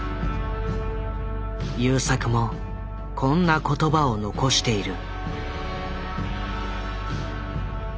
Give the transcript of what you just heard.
優作もこんな言葉を残している。